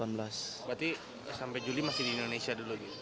berarti sampai juli masih di indonesia dulu